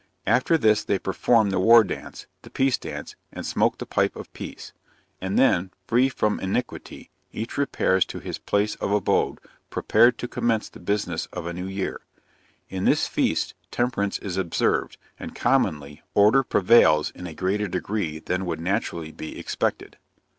After this they perform the war dance, the peace dance, and smoke the pipe of peace; and then, free from iniquity, each repairs to his place of abode, prepared to commence the business of a new year. In this feast, temperance is observed, and commonly, order prevails in a greater degree than would naturally be expected.